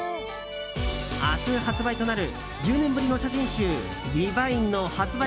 明日発売となる１０年ぶりの写真集「ＤＩＶＩＮＥ」の発売